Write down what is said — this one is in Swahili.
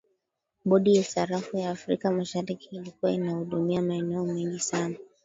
bodi ya sarafu ya afrika mashariki ilikuwa inahudumia maeneo mengi sana